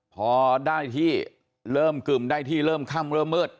พอได้ที่เริ่มกึ่มได้ที่เริ่มค่ำเริ่มมืด